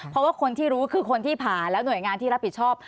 เพราะว่าคนที่รู้คือคนที่ผ่าแล้วหน่วยงานที่รับผิดชอบ